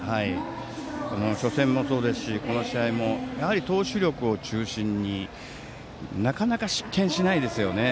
初戦もそうですし、この試合も投手力を中心になかなか失点しないですよね。